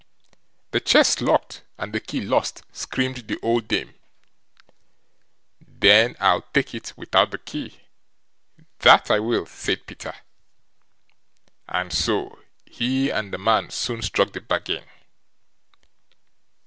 "The chest's locked and the key lost", screamed the old dame. "Then I'll take it without the key, that I will", said Peter. And so he and the man soon struck the bargain.